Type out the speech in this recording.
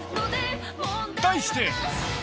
題して。